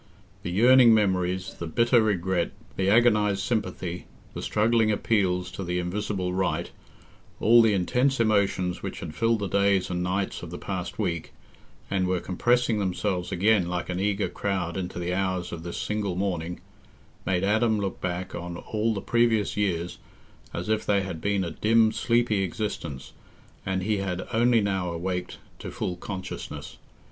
The yearning memories, the bitter regret, the agonized sympathy, the struggling appeals to the Invisible Right—all the intense emotions which had filled the days and nights of the past week, and were compressing themselves again like an eager crowd into the hours of this single morning, made Adam look back on all the previous years as if they had been a dim sleepy existence, and he had only now awaked to full consciousness.